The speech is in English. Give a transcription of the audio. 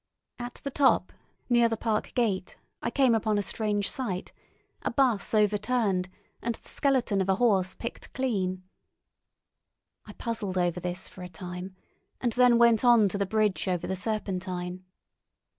At the top, near the park gate, I came upon a strange sight—a bus overturned, and the skeleton of a horse picked clean. I puzzled over this for a time, and then went on to the bridge over the Serpentine.